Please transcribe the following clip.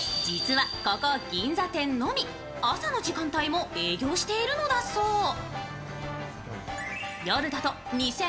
実はここ銀座店のみ、朝の時間帯も営業しているのだそう。